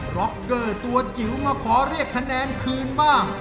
ร็อกเกอร์ตัวจิ๋วมาขอเรียกคะแนนคืนบ้าง